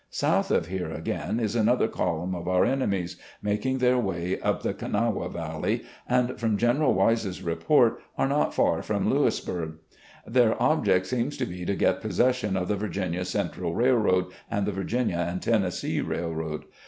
South of here again is another column of our enemies, making their way up the Kanawha VaUey, and, from General Wise's report, are not far from Lewisburgh. Their object seems to be to get possession of the Virginia Central Railroad and the Virginia and Tennessee Rail road.